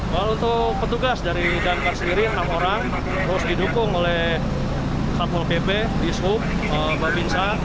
walau untuk petugas dari dki sendiri enam orang terus didukung oleh kbp bisu bapinsa